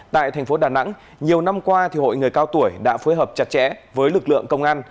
tại thành phố đà nẵng nhiều năm qua hội người cao tuổi đã phối hợp chặt chẽ với lực lượng công an